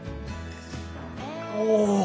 お！